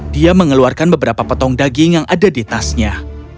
dia mengeluarkan beberapa potong daging yang ada di tasnya